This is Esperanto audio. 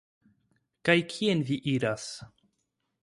Kaj kien vi iras?